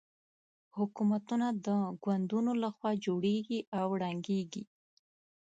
حکومتونه د ګوندونو له خوا جوړېږي او ړنګېږي.